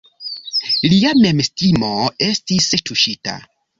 Lia memestimo estis tuŝita.